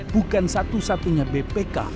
bukan satu satunya bpk